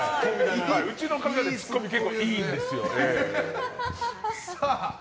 うちの奥さんツッコミいいんですよ。